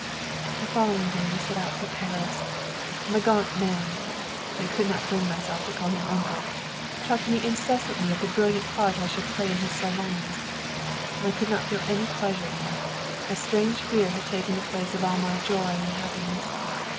" The following day we set out for Paris. The gaunt man (I could not bring myself to call him uncle) talked to me incessantly of the brilliant part I should play in his salons. I could not feel any pleasure in it; a strange fear had taken the place of all my joy and happiness.